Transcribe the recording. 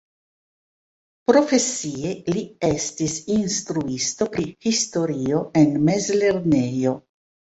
Profesie li estis instruisto pri historio en mezlernejo.